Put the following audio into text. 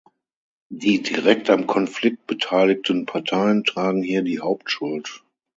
Die direkt am Konflikt beteiligten Parteien tragen hier die Hauptschuld.